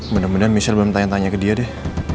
bener bener michelle belum tanya tanya ke dia deh